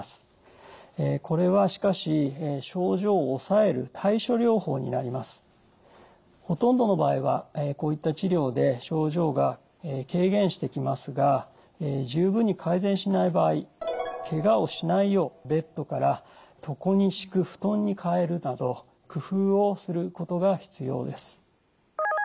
これはしかしほとんどの場合はこういった治療で症状が軽減してきますが十分に改善しない場合けがをしないようベッドから床に敷く布団に替えるなど工夫をすることが必要です。